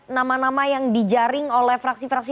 nama nama yang dijaring oleh fraksi fraksi